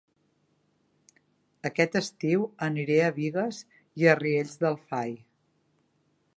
Aquest estiu aniré a Bigues i Riells del Fai